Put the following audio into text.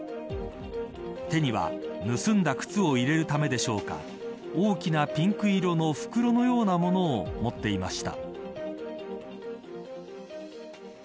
手には、盗んだ靴を入れるためでしょうか大きなピンク色の袋のようなものを持っていました。